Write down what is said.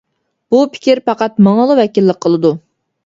بۇ پىكىر پەقەت ماڭىلا ۋەكىللىك قىلىدۇ.